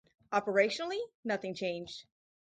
Operationally, nothing changed.